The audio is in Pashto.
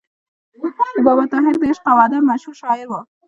بابا طاهر د عشق او ادب مشهور شاعر و.